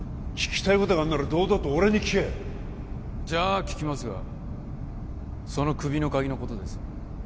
聞きたいことがあるなら堂々と俺に聞けじゃあ聞きますがその首の鍵のことです